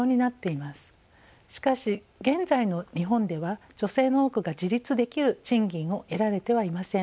しかし現在の日本では女性の多くが自立できる賃金を得られてはいません。